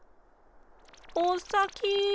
おっさき。